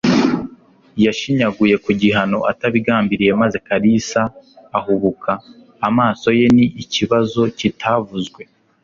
Yashinyaguye ku gihano atabigambiriye maze Kalisa ahubuka, amaso ye ni ikibazo kitavuzwe.